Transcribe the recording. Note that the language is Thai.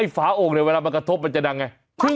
ไอ้ฟ้าโอ่งเนี่ยเวลามันกระทบมันจะทำไง